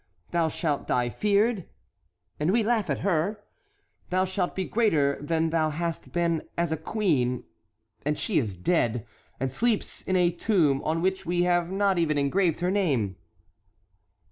Thou shalt die feared—and we laughed at her. Thou shalt be greater than thou hast been as a queen—and she is dead, and sleeps in a tomb on which we have not even engraved her name."